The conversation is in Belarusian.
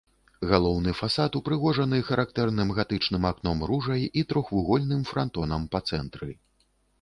Галоўны фасад упрыгожаны характэрным гатычным акном-ружай і трохвугольным франтонам па цэнтры.